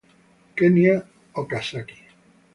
Kenya Okazaki